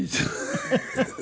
ハハハハ。